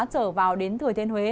trở vào đến thừa thiên huế